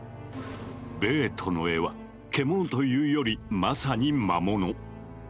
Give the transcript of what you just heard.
ベートの絵は獣というよりまさに魔物。